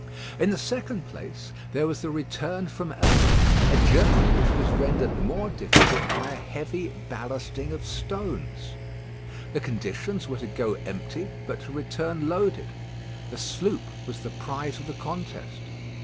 In the second place, there was the return from Herm, a journey which was rendered more difficult by a heavy ballasting of stones. The conditions were to go empty, but to return loaded. The sloop was the prize of the contest.